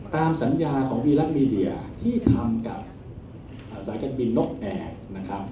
ตามสัญญาของวีรักมีเดียที่ทำกับอาจารย์คัดบินนกแอก